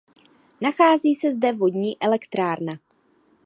Nachází se zde vodní elektrárna.